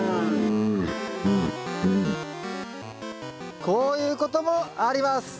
こういうこともあります。